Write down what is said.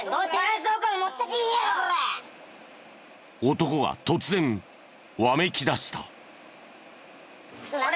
男が突然わめきだした。